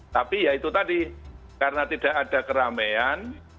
tapi ya itu tadi karena tidak ada keramaian